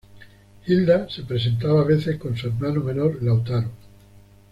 Hilda se presentaba a veces con su hermano menor Lautaro.